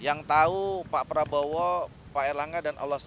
yang tahu pak prabowo pak erlangga dan allah swt